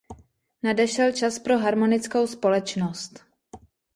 Nadešel čas pro harmonickou společnost.